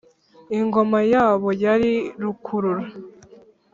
ingoma yabo yari rukurura.